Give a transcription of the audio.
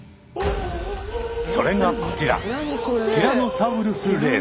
それがこちら。